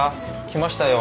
来ましたよ。